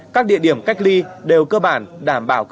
các địa điểm cách ly đều cơ bản đảm bảo